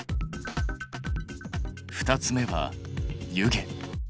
２つ目は湯気。